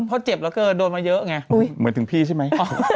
เพราะเจ็บเกินโดนมาเยอะไง